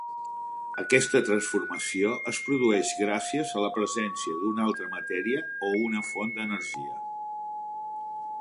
Aquesta transformació es produeix gràcies a la presència d'una altra matèria o una font d'energia.